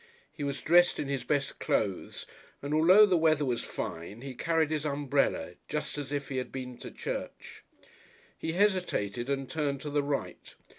He was dressed in his best clothes, and, although the weather was fine, he carried his umbrella, just as if he had been to church. He hesitated and turned to the right.